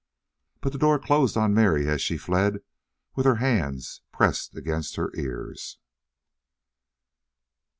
But the door closed on Mary as she fled with her hands pressed against her ears.